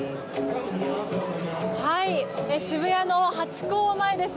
渋谷のハチ公前です。